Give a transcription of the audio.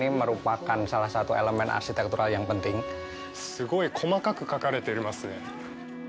すごい細かく描かれてますね。